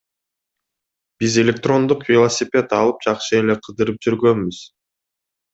Биз электрондук велосипед алып жакшы эле кыдырып жүргөнбүз.